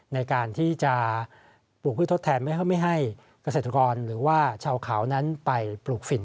ในการที่จะปลูกพืชทดแทนไม่ให้เกษตรกรหรือว่าชาวเขานั้นไปปลูกฝิ่น